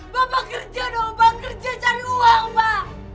bapak kerja dong mbak kerja cari uang mbak